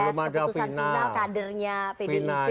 keputusan final kadernya pdip capres